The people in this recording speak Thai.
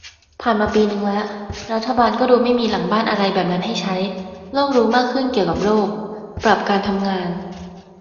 ผ่านมาปีนึงละ รัฐบาลก็ดูไม่มีหลังบ้านอะไรแบบนั้นให้ใช้ โลกรู้มากขึ้นเกี่ยวกับโรค ปรับการทำงาน